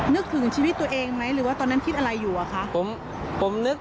นึกถึงชีวิตตัวเองไหมหรือว่าตอนนั้นคิดอะไรอยู่อะคะ